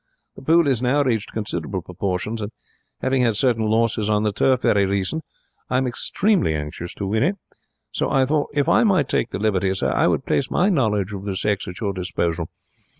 The pool has now reached considerable proportions, and, 'aving had certain losses on the Turf very recent, I am extremely anxious to win it. So I thought, if I might take the liberty, sir, I would place my knowledge of the sex at your disposal.